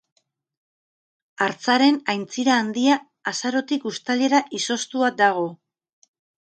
Hartzaren Aintzira Handia azarotik uztailera izoztua dago.